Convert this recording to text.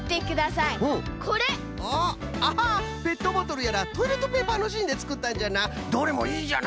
ペットボトルやらトイレットペーパーのしんでつくったんじゃな。